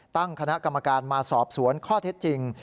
ตั้งคณะกรรมการมาสอบสวนข้อเท็จจริง